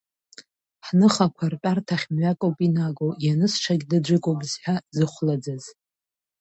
Ҳныхақәа ртәарҭахь мҩакоуп инагоу, ианысшагь даӡәыкуп зҳәа зыхәлаӡаз.